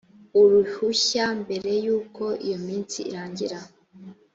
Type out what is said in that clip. uruhushya mbere y uko iyo minsi irangira